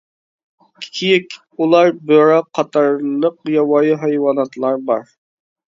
كېيىك، ئۇلار، بۆرە قاتارلىق ياۋايى ھايۋاناتلار بار.